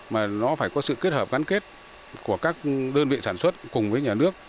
mà nó phải có sự kết hợp gắn kết của các đơn vị sản xuất cùng với nhà nước